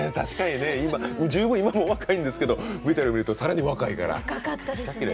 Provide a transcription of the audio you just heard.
十分、今もお若いんですけどＶＴＲを見てるとさらに若いから。